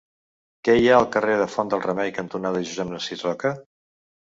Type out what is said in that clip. Què hi ha al carrer Font del Remei cantonada Josep Narcís Roca?